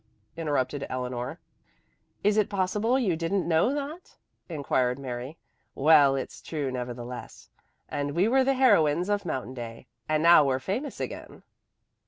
interrupted Eleanor. "Is it possible you didn't know that?" inquired Mary. "Well, it's true nevertheless. And we were the heroines of Mountain Day, and now we're famous again."